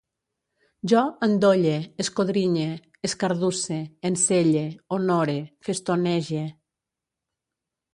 Jo endolle, escodrinye, escardusse, enselle, honore, festonege